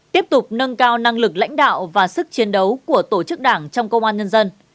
tiếp tục nâng cao năng lực lãnh đạo và sức chiến đấu của tổ chức đảng trong công an nhân dân